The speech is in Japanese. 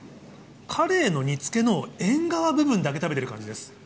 カレイの煮つけのエンガワ部分だけ食べてる感じです。